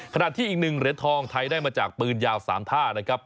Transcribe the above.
ขณะที่อีก๑เหรียญทองไทยได้มาจากปืนยาว๓ท่านะครับ